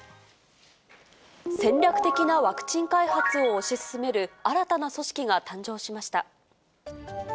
戦略的なワクチン開発を推し進める、新たな組織が誕生しました。